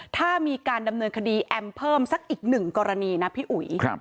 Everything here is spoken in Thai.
ถ้ามีการดำเนินคดีแอมเพิ่มสักอีกหนึ่งกรณีนะพี่อุ๋ย